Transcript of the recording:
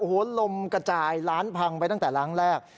โอ้โหลมกระจายร้านพังไปตั้งแต่ล้างแรก